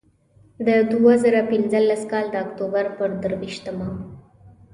د دوه زره پینځلس کال د اکتوبر پر درویشتمه.